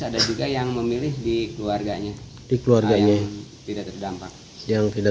ada juga yang memilih di keluarganya di keluarganya yang tidak terdampak yang tidak